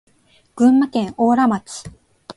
群馬県邑楽町